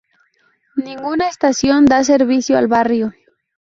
Ninguna estación da servicio al barrio.